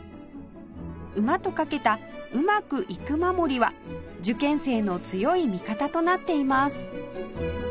馬とかけたうまくいく守は受験生の強い味方となっています